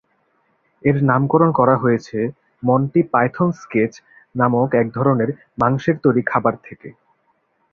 এর নামকরণ করা হয়েছে "মন্টি পাইথন স্কেচ" নামক এক ধরনের মাংসের তৈরি খাবার থেকে।